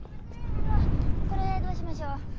あのこれどうしましょう？